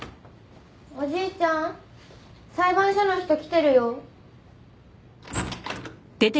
おじいちゃん裁判所の人来てるよ。